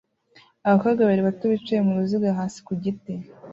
Abakobwa bakiri bato bicaye mu ruziga hasi ku giti